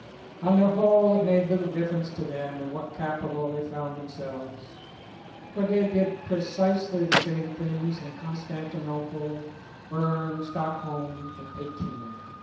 On the whole it made little difference to them in what capital they found themselves, for they did pre cisely the same things in Constantinople, Berne, Stockholm and Peking.